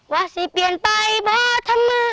ว่าสิเปลี่ยนไปบ่าถ้ามือหนึ่งไป